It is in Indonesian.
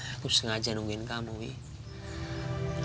aku sengaja nungguin kamu ya